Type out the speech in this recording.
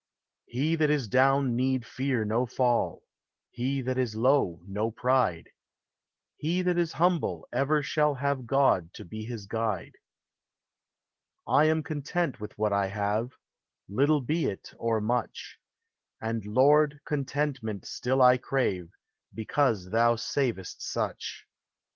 He that is down need fear no fall ; He that is low, no pride ; He that is humble ever shall Have God to be his guide. I am content with what I have, Little be it or much ; And, Lord, contentment still I crave, Because thou savest such.